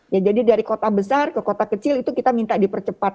ya jadi dari kota besar ke kota kecil itu kita minta dipercepat